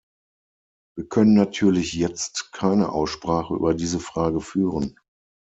Wir können natürlich jetzt keine Aussprache über diese Frage führen.